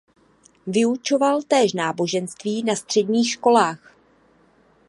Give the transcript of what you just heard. Vyučoval též náboženství na středních školách.